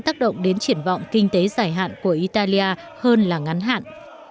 sẽ tác động đến triển vọng kinh tế giải hạn của italia hơn là ngắn hạn